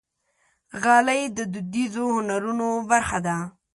غالۍ د دودیزو هنرونو برخه ده.